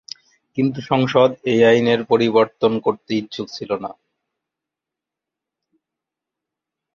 কিন্তু সংসদ এই আইনের পরিবর্তন করতে ইচ্ছুক ছিল না।